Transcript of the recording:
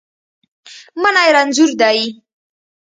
منی رنځور دی